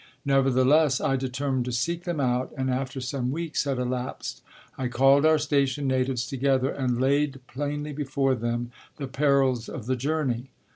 Nevertheless I determined to seek them out and after some weeks had elapsed, I called our station natives together and laid plainly before them the perils of the journey.